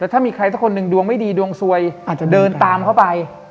ถ้ามีใครสักคนหนึ่งดวงไม่ดีดวงสวยอาจจะเดินตามเข้าไป